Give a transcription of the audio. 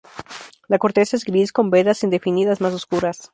La corteza es gris con vetas indefinidas más oscuras.